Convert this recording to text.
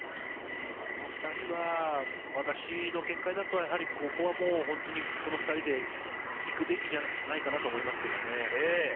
この２人は私の見解だと、ここもうこの２人で行くべきじゃないかなと思いますけどね。